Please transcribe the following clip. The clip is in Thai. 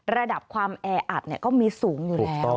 ระดับความแออัดก็มีสูงอยู่แล้ว